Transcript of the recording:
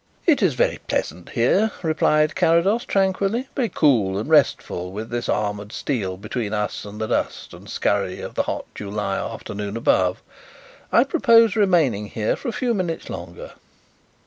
"It is very pleasant here," replied Carrados tranquilly. "Very cool and restful with this armoured steel between us and the dust and scurry of the hot July afternoon above. I propose remaining here for a few minutes longer."